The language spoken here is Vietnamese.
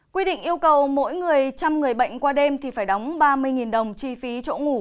quy định yêu cầu mỗi người chăm người bệnh qua đêm thì phải đóng ba mươi đồng chi phí chỗ ngủ